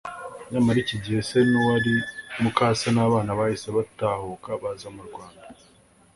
nyamara iki gihe se n’uwari mukase n’abana bahise batahuka baza mu Rwanda